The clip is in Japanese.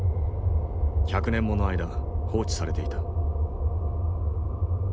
百年もの間放置されていた。